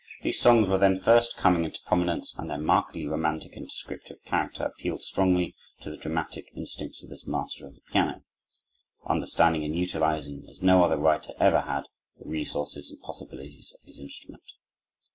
These songs were then first coming into prominence, and their markedly romantic and descriptive character appealed strongly to the dramatic instincts of this master of the piano, understanding and utilizing as no other writer ever had, the resources and possibilities of his instrument.